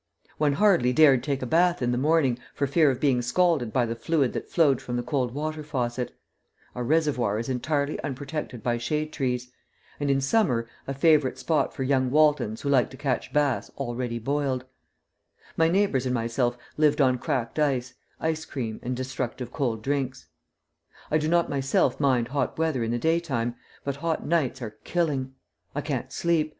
One hardly dared take a bath in the morning for fear of being scalded by the fluid that flowed from the cold water faucet our reservoir is entirely unprotected by shade trees, and in summer a favorite spot for young Waltons who like to catch bass already boiled my neighbors and myself lived on cracked ice, ice cream, and destructive cold drinks. I do not myself mind hot weather in the daytime, but hot nights are killing. I can't sleep.